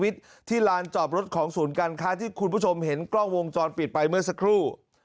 ที่ลานจอบรถของศูนย์การค้าที่คุณผู้ชมเห็นกล้องวงจรปิดไปเมื่อสักครู่